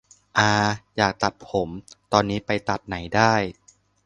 อา อยากตัดผม ตอนนี้ไปตัดไหนได้